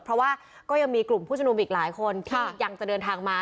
เพราะว่าก็ยังมีกลุ่มผู้ชมนุมอีกหลายคนที่ยังจะเดินทางมา